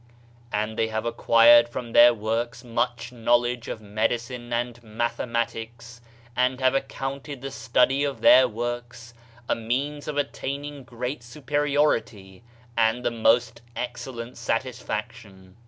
And they have acquired from their works much knowledge of medicine and mathematics and have accounted the study of their works a means of attaining great superiority and the most excellent satisfaction.